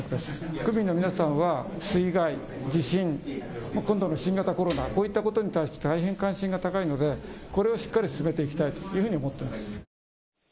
都民の皆さんは水害、地震、今後の新型コロナ、こういったことに対して大変関心が高いので、これはしっかり進めていきたいというふうに思っています。